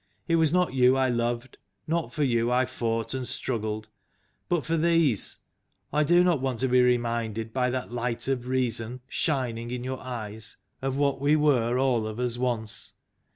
It was not you I loved, not for you I fought and struggled, but for these. I do not want to be reminded, by that light of reason shining in your eyes, of what we were all of us, once.